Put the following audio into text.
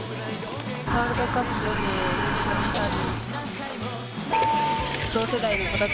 ワールドカップで優勝したいです。